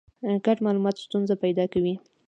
ګډ مالومات ستونزه پیدا کوي.